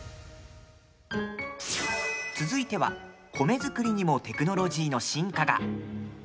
続いては米作りにもテクノロジーの進化が。